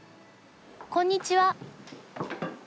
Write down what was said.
こんにちは。